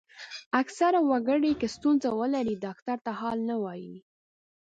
اکثره وګړي که ستونزه ولري ډاکټر ته حال نه وايي.